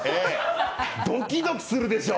ドキドキするでしょう？